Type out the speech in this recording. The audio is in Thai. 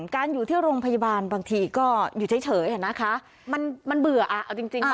การอยู่ที่โรงพยาบาลบางทีก็อยู่เฉยมันเบื่อจริง